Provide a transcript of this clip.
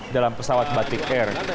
dalam pesawat batik air